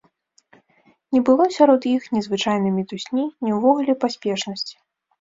Не было сярод іх ні звычайнай мітусні, ні ўвогуле паспешнасці.